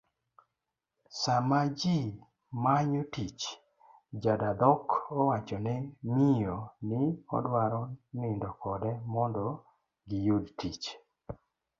Sama ji manyo tich, jadadhok owachone miyo ni odwaro nindo kode mondo giyud tich